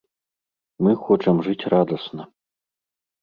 Мы хочам жыць радасна.